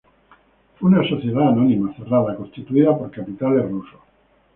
Fue una sociedad anónima cerrada constituida por capitales rusos.